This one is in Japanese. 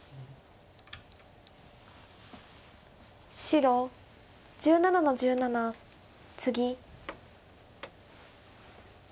白１７の十七ツギ。